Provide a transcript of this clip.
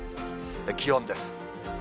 気温です。